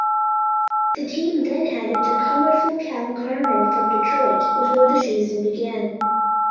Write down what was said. The team then added the colorful Cal Carmen from Detroit before the season began.